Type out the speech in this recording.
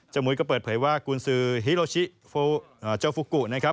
จมูยก็เปิดเผยว่ากุนซือฮิโรชิโฟโจฟุกุนะครับ